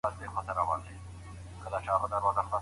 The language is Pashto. څو سپین مارغان